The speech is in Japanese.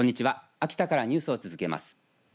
秋田からニュースを続けます。